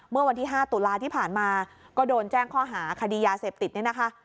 เมื่อวันที่๕ตุลาที่ผ่านมาก็โดนแจ้งข้อหาคดียาเสพติดเนี่ยนะคะ